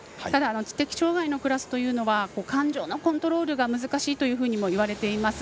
知的障がいのクラスというのは感情のコントロールが難しいというふうにいわれています。